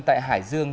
tại hải dương